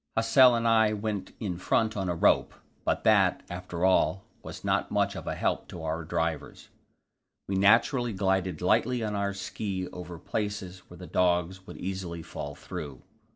Hassel and I went in front on a rope; but that, after all, was not much of a help to our drivers. We naturally glided lightly on our ski over places where the dogs would easily fall through.